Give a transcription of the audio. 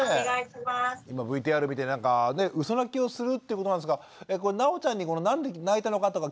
今ＶＴＲ見てなんかうそ泣きをするってことなんですがなおちゃんになんで泣いたのかとか聞いてみたんですか？